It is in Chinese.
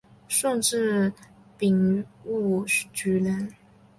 顺治丙戌举人。